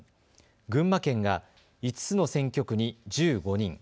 群馬県が５つの選挙区に１５人。